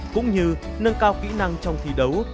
cũng như nâng cao kỹ năng trong thi đấu